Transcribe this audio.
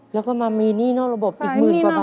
แล้วขึ้นมามีหนี้นอกระบบอีกหมื่นองค์กัน